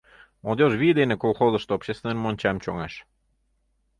Молодёжь вий дене колхозышто общественный мончам чоҥаш.